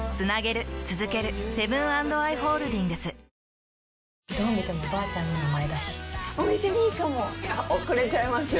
うまダブルなんでどう見てもおばあちゃんの名前だしお店にいいかも遅れちゃいますよ